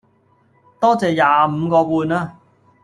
多謝廿五個半吖